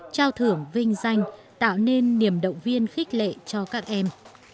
trao thưởng vinh danh tạo nên niềm động viên khích lệ cho các em